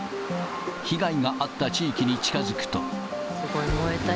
被害があった地域に近づくと。